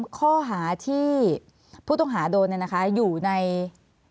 ๓ข้อหาที่ผู้ต้องหาโดนเนี่ยนะคะ